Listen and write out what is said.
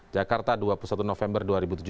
jakarta dua puluh satu november dua ribu tujuh belas